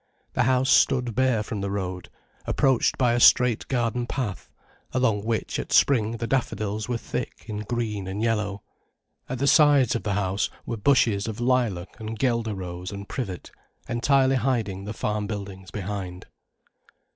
The house stood bare from the road, approached by a straight garden path, along which at spring the daffodils were thick in green and yellow. At the sides of the house were bushes of lilac and guelder rose and privet, entirely hiding the farm buildings behind.